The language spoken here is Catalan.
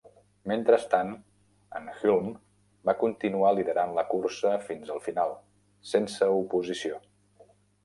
Mentrestant, en Hulme va continuar liderant la cursa fins al final, sense oposició.